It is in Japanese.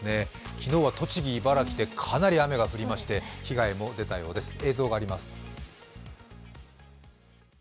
昨日は栃木、茨城でかなり雨が降りまして被害も出たようです、映像があります。